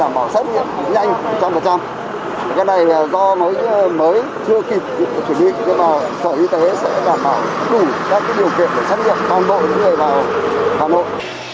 cái này do mới chưa kịp chuẩn bị sở y tế sẽ đảm bảo đủ các điều kiện để xét nghiệm toàn bộ như là hà nội